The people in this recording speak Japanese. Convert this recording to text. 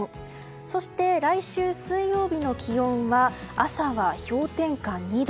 そして、来週水曜日の気温は朝は氷点下２度。